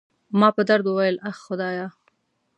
ما په درد وویل: اخ، خدایه.